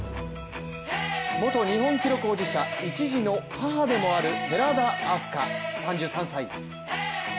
元日本記録保持者、１児の母でもある寺田明日香３３歳。